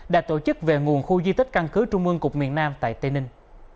đã tổ chức về nguồn khu di tích căn cứ trung ương cục miền nam tại tây ninh